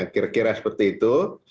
kira kira seperti itu